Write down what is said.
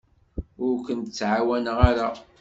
Ur kent-ttɛawaneɣ ara.